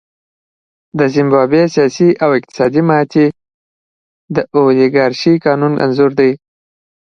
د زیمبابوې سیاسي او اقتصادي ماتې د اولیګارشۍ قانون انځور دی.